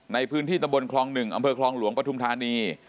ในพื้นที่ตำรวจคลองหนึ่งอำเภอคลองหลวงปฐุมธานี